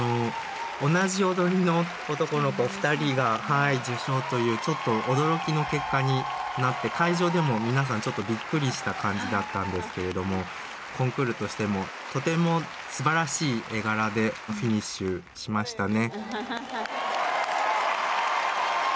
同じ踊りの男の子２人が受賞というちょっと驚きの結果になって会場でも皆さんちょっとびっくりした感じだったんですけれどもコンクールとしてもとてもすばらしい絵柄でフィニッシュしましたね。